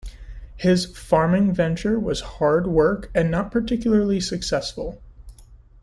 His farming venture was hard work and not particularly successful.